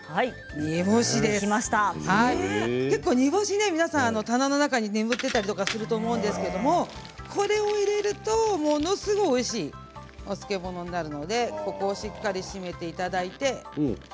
煮干し、結構棚の中に眠っていたりすると思うんですけどこれを入れるとものすごくおいしい漬物になるのでここをしっかり閉めていただいて。